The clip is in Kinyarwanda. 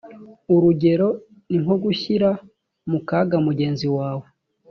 urugero ni nko gushyira mu kaga mugenzi wawe